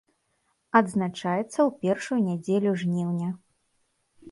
Адзначаецца ў першую нядзелю жніўня.